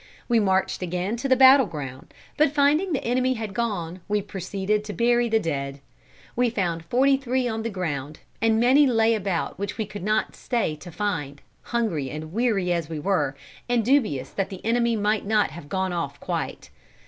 We marched again to the battle ground, but finding the enemy had gone, we proceeded to bury the dead. We found forty three on the ground, and many lay about which we could not stay to find, hungry and weary as we were, and dubious that the enemy might not have gone off quite.